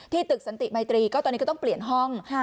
ตึกสันติมัยตรีก็ตอนนี้ก็ต้องเปลี่ยนห้อง